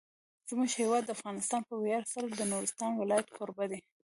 زموږ هیواد افغانستان په ویاړ سره د نورستان ولایت کوربه دی.